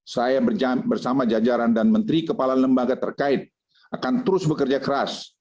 saya bersama jajaran dan menteri kepala lembaga terkait akan terus bekerja keras